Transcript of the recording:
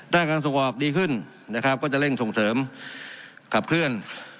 การส่งออกดีขึ้นนะครับก็จะเร่งส่งเสริมขับเคลื่อน